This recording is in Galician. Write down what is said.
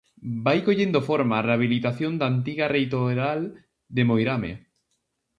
Vai collendo forma a rehabilitación da antiga reitoral de moirame.